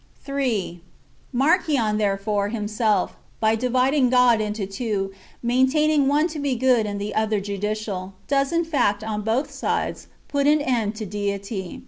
3. Marcion, therefore, himself, by dividing God into two, maintaining one to be good and the other judicial, does in fact, on both sides, put an end to deity.